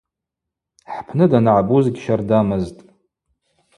Хӏпны даныгӏбуз гьщардамызтӏ.